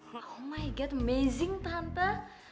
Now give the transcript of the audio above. hai oh my god amazing tante